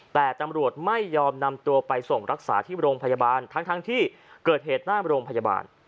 แต่ตำรวจไม่ยอมนำตัวไปส่งรักษาที่โรงพยาบาลทั้งที่เกิดเหตุหน้าโรงพยาบาล